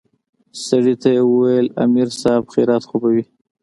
سړي ته يې وويل امر صايب خيريت خو به وي.